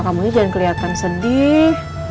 kamu jangan keliatan sedih